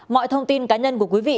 mọi thông tin cá nhân của quý vị